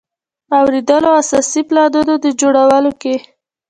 اوریدلو او اساسي پلانونو د جوړولو کې.